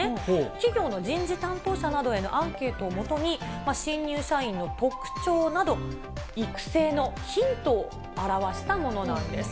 企業の人事担当者などへのアンケートを基に、新入社員の特徴など、育成のヒントを表したものなんです。